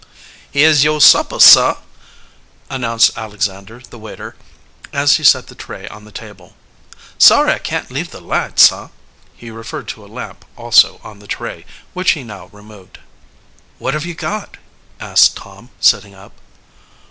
"Heah is yo' suppah, sah!" announced Alexander, the waiter, as he set the tray on the table. "Sorry I can't leave the light, sah." He referred to a lamp, also, on the tray, which he now removed. "What have you got?" asked Tom, sitting up.